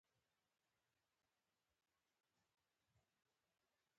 د برټانیې هیات باید د ده د افسرانو او خلکو په مخ کې.